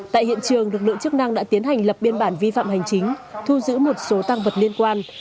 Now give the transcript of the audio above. tại hiện trường lực lượng chức năng đã tiến hành lập biên bản vi phạm hành chính thu giữ một số tăng vật liên quan